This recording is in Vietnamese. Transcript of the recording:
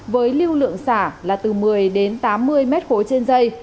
với lưu lượng xả là từ một mươi đến tám mươi mét khối trên dây